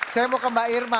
saya mau ke mbak irma